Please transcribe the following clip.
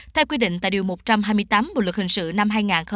theo quy định tại điều một trăm hai mươi tám bộ luật hình sự năm hai nghìn một mươi năm